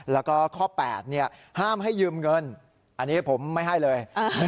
แล้วก็ข้อ๘ห้ามให้ยืมเงินอันนี้ผมไม่ให้เลย